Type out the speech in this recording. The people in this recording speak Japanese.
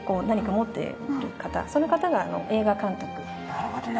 なるほどね。